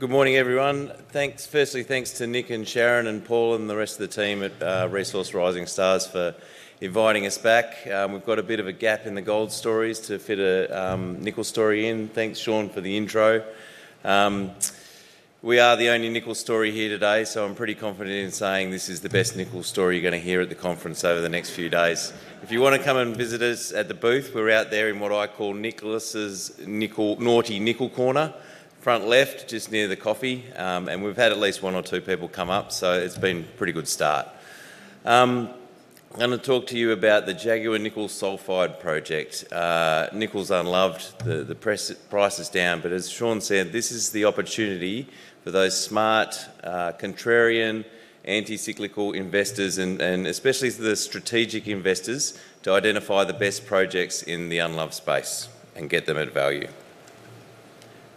Good morning, everyone. Thanks. Firstly, thanks to Nick and Sharon and Paul and the rest of the team at Resource Rising Stars for inviting us back. We've got a bit of a gap in the gold stories to fit a nickel story in. Thanks, Sean, for the intro. We are the only nickel story here today, so I'm pretty confident in saying this is the best nickel story you're going to hear at the conference over the next few days. If you want to come and visit us at the booth, we're out there in what I call Nicholas's naughty nickel corner, front left, just near the coffee. We've had at least one or two people come up, so it's been a pretty good start. I'm going to talk to you about the Jaguar Nickel Sulfide Project. Nickel's unloved. The price is down, but as Sean said, this is the opportunity for those smart, contrarian, anticyclical investors, and especially the strategic investors, to identify the best projects in the unloved space and get them at value.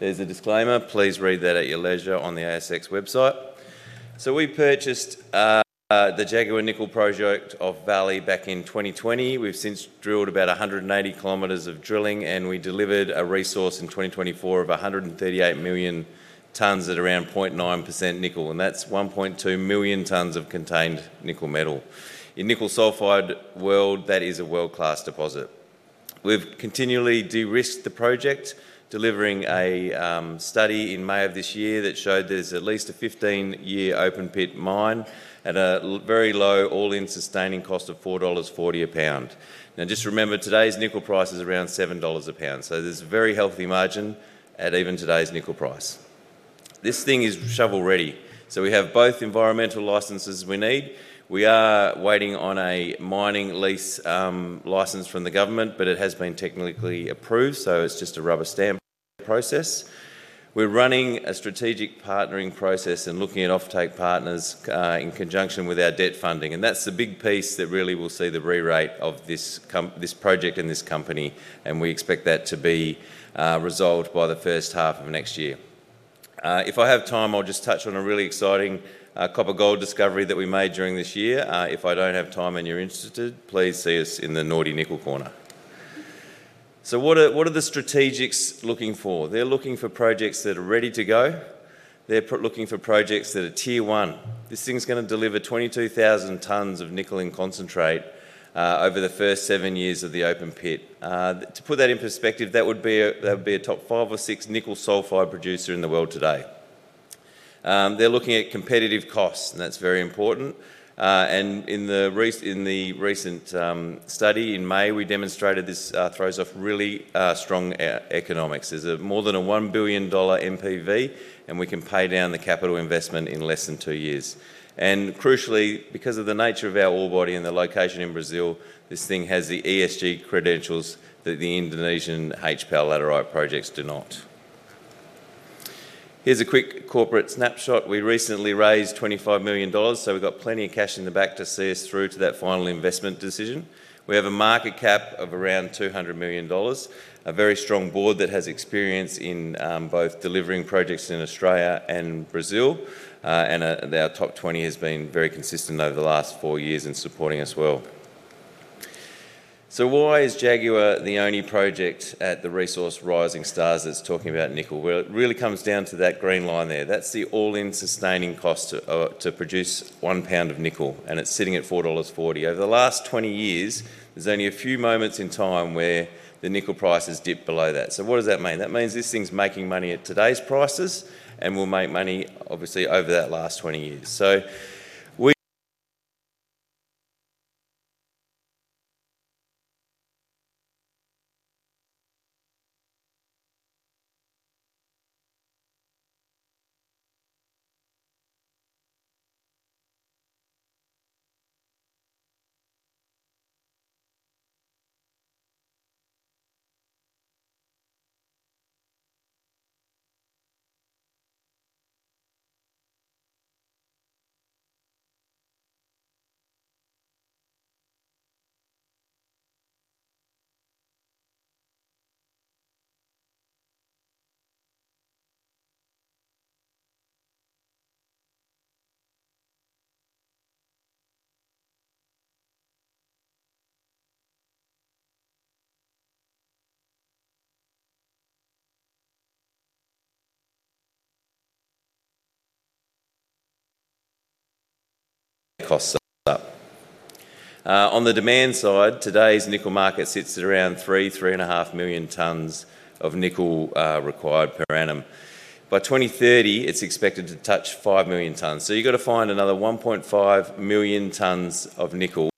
There's a disclaimer. Please read that at your leisure on the ASX website. We purchased the Jaguar Nickel Sulfide Project off Vale back in 2020. We've since drilled about 180 kilometers of drilling, and we delivered a resource in 2024 of 138 million tonnes at around 0.9% nickel, and that's 1.2 million tonnes of contained nickel metal. In the nickel sulfide world, that is a world-class deposit. We've continually de-risked the project, delivering a study in May of this year that showed there's at least a 15-year open pit mine at a very low all-in sustaining cost of $4.40 a pound. Now, just remember, today's nickel price is around $7 a pound, so there's a very healthy margin at even today's nickel price. This thing is shovel-ready. We have both environmental licenses we need. We are waiting on a mining lease license from the government, but it has been technically approved, so it's just a rubber stamp process. We're running a strategic partnering process and looking at offtake partners in conjunction with our debt funding, and that's the big piece that really will see the re-rate of this project and this company, and we expect that to be resolved by the first half of next year. If I have time, I'll just touch on a really exciting copper gold discovery that we made during this year. If I don't have time and you're interested, please see us in the naughty nickel corner. What are the strategics looking for? They're looking for projects that are ready to go. They're looking for projects that are tier one. This thing's going to deliver 22,000 tons of nickel in concentrate over the first seven years of the open pit. To put that in perspective, that would be a top five or six nickel sulfide producer in the world today. They're looking at competitive costs, and that's very important. In the recent study in May, we demonstrated this throws off really strong economics. There's more than a $1 billion net present value, and we can pay down the capital investment in less than two years. Crucially, because of the nature of our ore body and the location in Brazil, this thing has the ESG credentials that the Indonesian H-Pel laterite projects do not. Here's a quick corporate snapshot. We recently raised $25 million, so we've got plenty of cash in the bank to see us through to that final investment decision. We have a market cap of around $200 million, a very strong board that has experience in both delivering projects in Australia and Brazil, and our top 20 has been very consistent over the last four years in supporting us well. Jaguar is the only project at Resource Rising Stars that's talking about nickel. It really comes down to that green line there. That's the all-in sustaining cost to produce one pound of nickel, and it's sitting at $4.40. Over the last 20 years, there's only a few moments in time where the nickel price has dipped below that. What does that mean? That means this thing's making money at today's prices and will make money, obviously, over that last 20 years. Costs up. On the demand side, today's nickel market sits at around three, three and a half million tons of nickel required per annum. By 2030, it's expected to touch five million tons. You've got to find another 1.5 million tons of nickel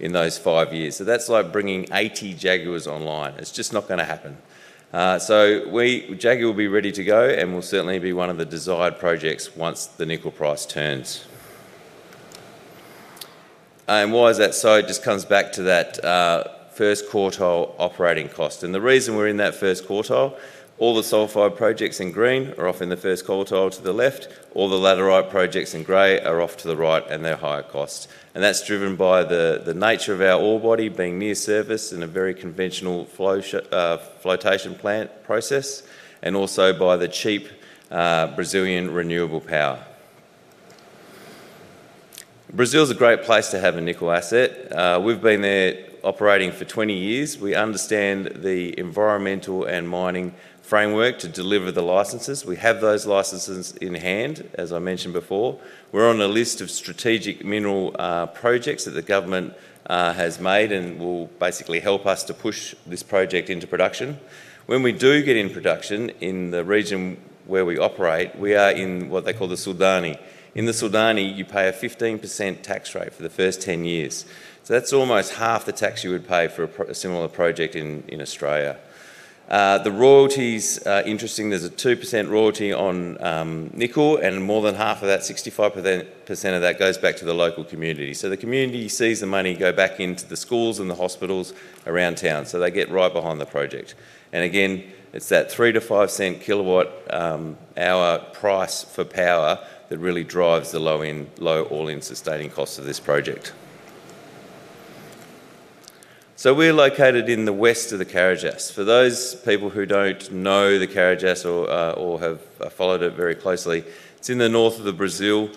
in those five years. That's like bringing 80 Jaguars online. It's just not going to happen. Jaguar will be ready to go, and we'll certainly be one of the desired projects once the nickel price turns. Why is that so? It just comes back to that first quartile operating cost. The reason we're in that first quartile, all the sulfide projects in green are off in the first quartile to the left. All the laterite projects in gray are off to the right, and they're higher costs. That's driven by the nature of our ore body being near surface in a very conventional flotation plant process, and also by the cheap Brazilian renewable power. Brazil is a great place to have a nickel asset. We've been there operating for 20 years. We understand the environmental and mining framework to deliver the licenses. We have those licenses in hand, as I mentioned before. We're on a list of strategic mineral projects that the government has made and will basically help us to push this project into production. When we do get in production in the region where we operate, we are in what they call the Sudene. In the Sudene, you pay a 15% tax rate for the first 10 years. That's almost half the tax you would pay for a similar project in Australia. The royalties are interesting. There's a 2% royalty on nickel, and more than half of that, 65% of that, goes back to the local community. The community sees the money go back into the schools and the hospitals around town. They get right behind the project. It's that $0.03 to $0.05 per kilowatt-hour price for power that really drives the low all-in sustaining cost of this project. We're located in the west of the Carajás. For those people who don't know the Carajás or have followed it very closely, it's in the north of Brazil.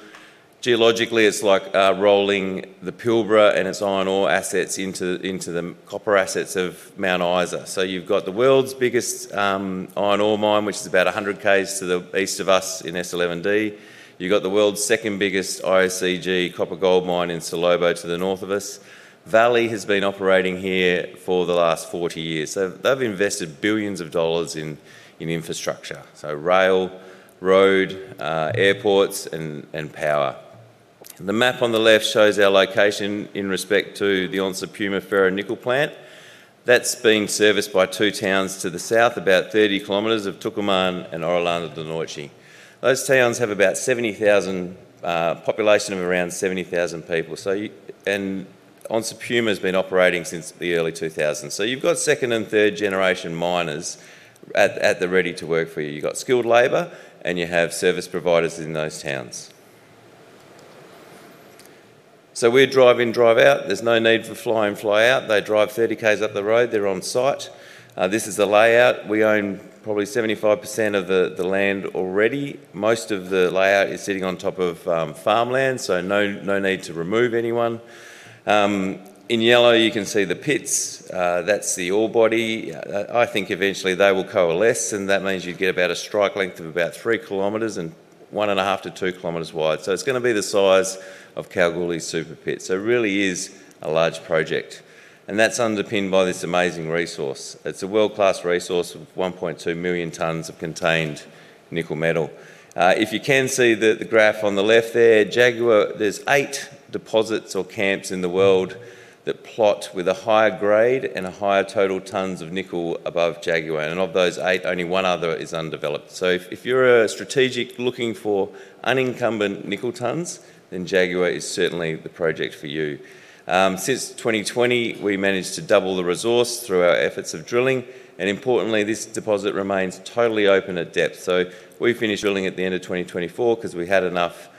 Geologically, it's like rolling the Pilbara and its iron ore assets into the copper assets of Mount Isa. You've got the world's biggest iron ore mine, which is about 100 kilometers to the east of us in S11D. You've got the world's second biggest IOCG copper-gold mine in Salobo to the north of us. Vale has been operating here for the last 40 years. They've invested billions of dollars in infrastructure, so rail, road, airports, and power. The map on the left shows our location in respect to the Onça Puma ferronickel plant. That's being serviced by two towns to the south, about 30 kilometers, of Tucumã and Ourilândia do Norte. Those towns have a population of around 70,000 people. Onça Puma has been operating since the early 2000s. You've got second and third generation miners at the ready to work for you. You've got skilled labor, and you have service providers in those towns. We're drive-in, drive-out. There's no need for fly-in, fly-out. They drive 30 kilometers up the road. They're on site. This is a layout. We own probably 75% of the land already. Most of the layout is sitting on top of farmland, so no need to remove anyone. In yellow, you can see the pits. That's the ore body. I think eventually they will coalesce, and that means you get about a strike length of about three kilometers and one and a half to two kilometers wide. It's going to be the size of Kalgoorlie Super Pit. It really is a large project, and that's underpinned by this amazing resource. It's a world-class resource of 1.2 million tons of contained nickel metal. If you can see the graph on the left there, Jaguar, there's eight deposits or camps in the world that plot with a higher grade and a higher total tons of nickel above Jaguar. Of those eight, only one other is undeveloped. If you're strategic looking for unincumbent nickel tons, then Jaguar is certainly the project for you. Since 2020, we managed to double the resource through our efforts of drilling. Importantly, this deposit remains totally open at depth. We finished drilling at the end of 2024 because we had enough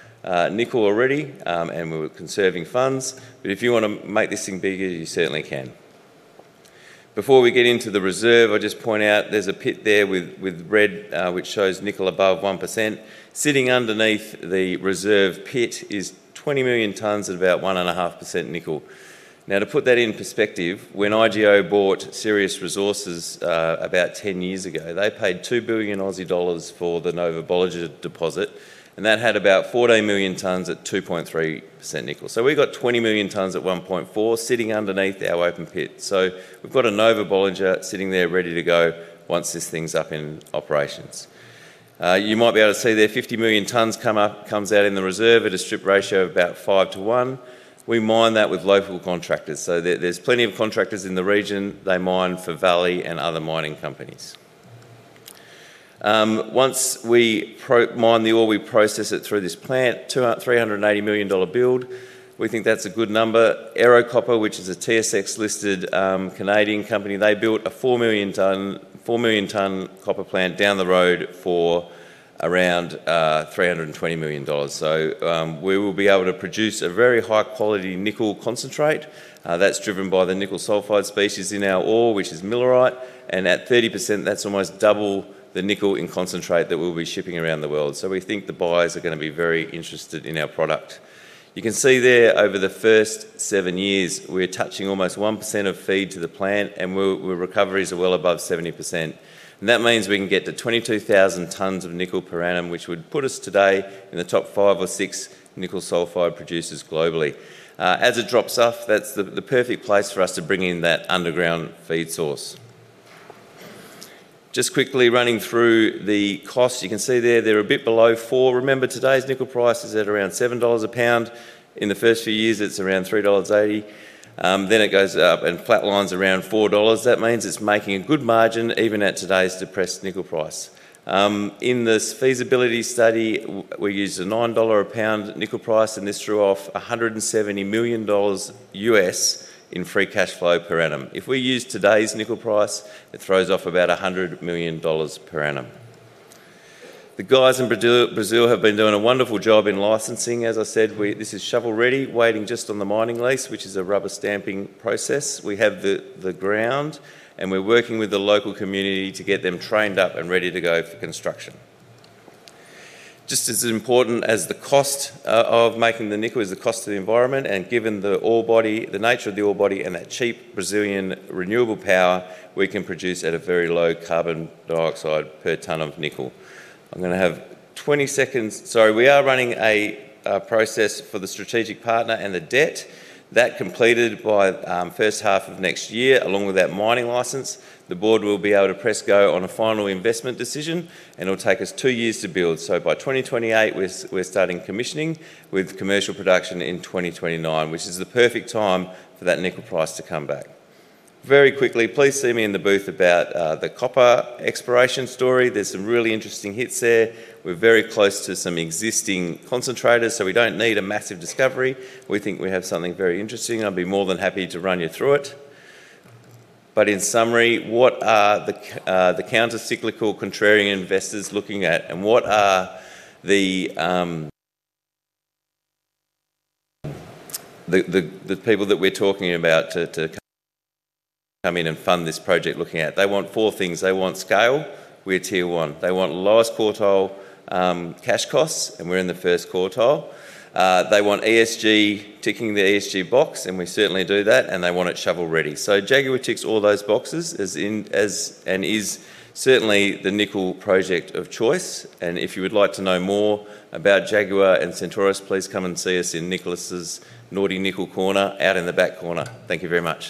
nickel already, and we were conserving funds. If you want to make this thing bigger, you certainly can. Before we get into the reserve, I'll just point out there's a pit there with red, which shows nickel above 1%. Sitting underneath the reserve pit is 20 million tons at about 1.5% nickel. To put that in perspective, when IGO bought Sirius Resources about 10 years ago, they paid $2 billion for the Nova-Bollinger deposit, and that had about 14 million tons at 2.3% nickel. We've got 20 million tons at 1.4% sitting underneath our open pit. We've got a Nova-Bollinger sitting there ready to go once this thing's up in operations. You might be able to see there 50 million tons comes out in the reserve at a strip ratio of about five to one. We mine that with local contractors. There's plenty of contractors in the region. They mine for Vale and other mining companies. Once we mine the ore, we process it through this plant, $380 million build. We think that's a good number. Ero Copper, which is a TSX-listed Canadian company, built a 4 million ton copper plant down the road for around $320 million. We will be able to produce a very high-quality nickel concentrate. That's driven by the nickel sulfide species in our ore, which is millerite. At 30%, that's almost double the nickel in concentrate that we'll be shipping around the world. We think the buyers are going to be very interested in our product. You can see there over the first seven years, we're touching almost 1% of feed to the plant, and recoveries are well above 70%. That means we can get to 22,000 tons of nickel per annum, which would put us today in the top five or six nickel sulfide producers globally. As it drops off, that's the perfect place for us to bring in that underground feed source. Just quickly running through the cost, you can see there they're a bit below $4. Remember, today's nickel price is at around $7 a pound. In the first few years, it's around $3.80. Then it goes up and flatlines around $4. That means it's making a good margin even at today's depressed nickel price. In this feasibility study, we used a $9 a pound nickel price, and this threw off $170 million U.S. in free cash flow per annum. If we use today's nickel price, it throws off about $100 million per annum. The guys in Brazil have been doing a wonderful job in licensing. As I said, this is shovel-ready, waiting just on the mining lease, which is a rubber stamping process. We have the ground, and we're working with the local community to get them trained up and ready to go for construction. Just as important as the cost of making the nickel is the cost of the environment. Given the ore body, the nature of the ore body, and that cheap Brazilian renewable power, we can produce at a very low carbon dioxide per ton of nickel. I'm going to have 20 seconds. Sorry, we are running a process for the strategic partner and the debt. That completed by the first half of next year, along with that mining license, the board will be able to press go on a final investment decision, and it'll take us two years to build. By 2028, we're starting commissioning with commercial production in 2029, which is the perfect time for that nickel price to come back. Very quickly, please see me in the booth about the copper exploration story. There's some really interesting hits there. We're very close to some existing concentrators, so we don't need a massive discovery. We think we have something very interesting. I'd be more than happy to run you through it. In summary, what are the countercyclical contrarian investors looking at, and what are the people that we're talking about to come in and fund this project looking at? They want four things. They want scale, which is tier one. They want lowest quartile cash costs, and we're in the first quartile. They want ESG, ticking the ESG box, and we certainly do that. They want it shovel-ready. Jaguar ticks all those boxes as in, and is certainly the nickel project of choice. If you would like to know more about Jaguar and Centaurus, please come and see us in Nicholas's naughty nickel corner out in the back corner. Thank you very much.